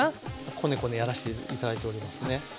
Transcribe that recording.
コネコネやらして頂いておりますね。